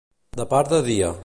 De part de dia.